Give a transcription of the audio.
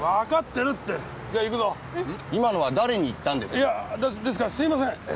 いやぁですからすいません。